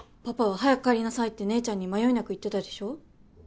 パパは「早く帰りなさい」って姉ちゃんに迷いなく言ってたでしょ？